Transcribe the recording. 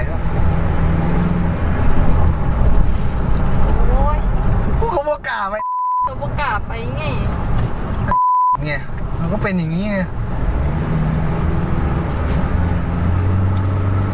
เขาคงกล้าไปไงมันก็เป็นอย่างงี้ไง